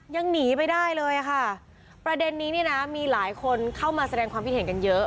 ยังหนีไปได้เลยค่ะประเด็นนี้เนี่ยนะมีหลายคนเข้ามาแสดงความคิดเห็นกันเยอะ